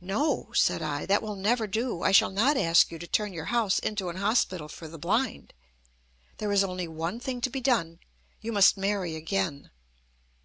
"No," said I. "That will never do. I shall not ask you to turn your house into an hospital for the blind. There is only one thing to be done, you must marry again."